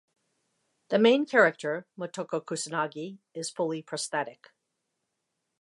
The main character, Motoko Kusanagi, is fully prosthetic.